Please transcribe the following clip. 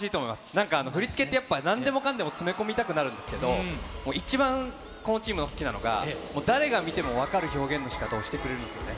なんか振り付けって、やっぱ、なんでもかんでも詰め込みたくなるんですけど、もう一番このチームの好きなのが、もう誰が見ても分かる表現のしかたをしてくれるんですよね。